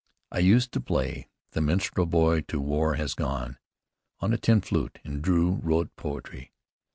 I used to play "The Minstrel Boy to the War Has Gone" on a tin flute, and Drew wrote poetry.